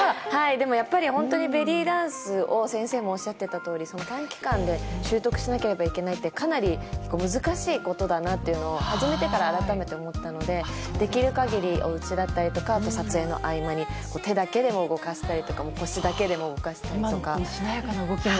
でもやっぱり、本当にベリーダンスを先生もおっしゃってたとおり、短期間で習得しなければいけないって、かなり難しいことだなっていうのを始めてから改めて思ったので、できるかぎり、おうちだったりとか、あと撮影の合間に手だけでも動かしたりとか、しなやかな動きも。